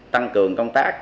tăng cường công tác